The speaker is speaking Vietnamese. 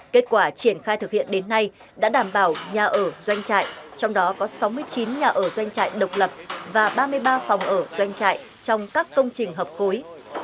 kết quả triển khai thực hiện đến nay đã đảm bảo nhà ở doanh trại trong đó có sáu mươi chín nhà ở doanh trại độc lập và ba mươi ba phòng ở doanh trại trong các công trình hợp khối